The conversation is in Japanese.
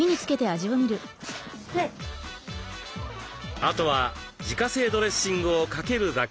あとは自家製ドレッシングをかけるだけ。